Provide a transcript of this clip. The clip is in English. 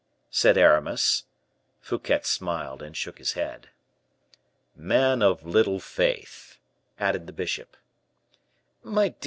said Aramis. Fouquet smiled and shook his head. "Man of little faith!" added the bishop. "My dear M.